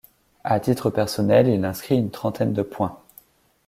À titre personnel, il inscrit une trentaine de points.